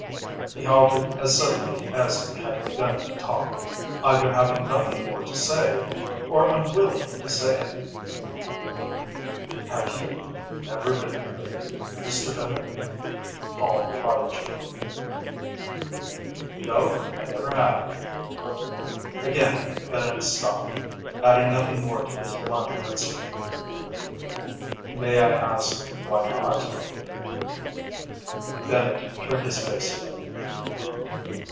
He halted as suddenly as he had begun to talk, either having nothing more to say, or unwilling to say it. "Have you ever married, Mr. Bennett?" Hall prodded gently. "No, I never have." Again, Bennett stopped, adding nothing more to his blunt answer. "May I ask why not?" Bennett turned his face away.